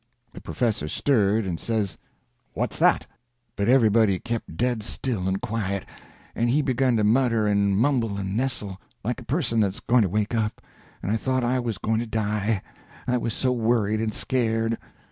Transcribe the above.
The professor stirred, and says, "What's that?" But everybody kept dead still and quiet, and he begun to mutter and mumble and nestle, like a person that's going to wake up, and I thought I was going to die, I was so worried and scared.